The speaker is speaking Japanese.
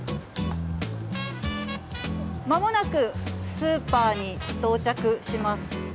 まもなくスーパーに到着します。